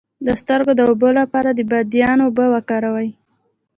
د سترګو د اوبو لپاره د بادیان اوبه وکاروئ